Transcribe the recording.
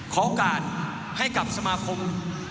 โอกาสให้กับสมาคม